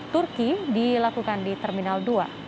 turki dilakukan di terminal dua